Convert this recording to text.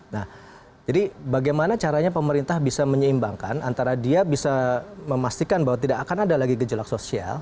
nah jadi bagaimana caranya pemerintah bisa menyeimbangkan antara dia bisa memastikan bahwa tidak akan ada lagi gejolak sosial